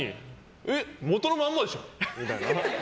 え、元のまんまでしょ！みたいな。